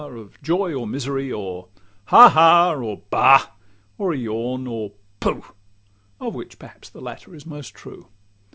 of joy or misery, Or a 'Ha! ha!' or 'Bah!'—a yawn, or 'Pooh!' Of which perhaps the latter is most true.